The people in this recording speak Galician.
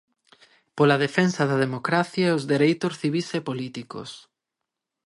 Pola defensa da democracia e os dereitos civís e políticos.